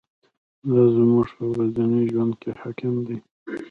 دا زموږ په ورځني ژوند حاکم دی.